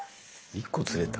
一個ずれた？